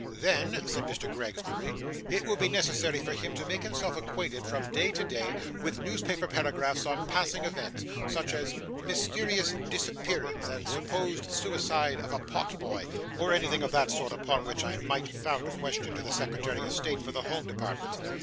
'Then,' said Mr. Gregsbury, 'it would be necessary for him to make himself acquainted, from day to day, with newspaper paragraphs on passing events; such as "Mysterious disappearance, and supposed suicide of a potboy," or anything of that sort, upon which I might found a question to the Secretary of State for the Home Department.